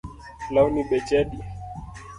Lawni beche adi?